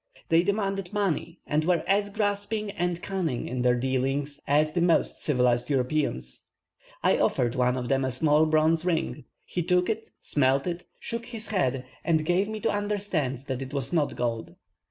They demanded money, and were as grasping and cunning in their dealings as the most civilized Europeans. I offered one of them a small bronze ring; he took it, smelt it, shook his head, and gave me to understand that it was not gold.